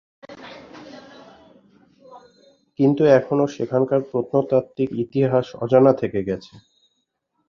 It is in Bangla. কিন্তু এখনো সেখানকার প্রত্নতাত্ত্বিক ইতিহাস অজানা থেকে গেছে।